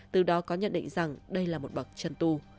từ đó có nhận định rằng đây là một bậc chân tu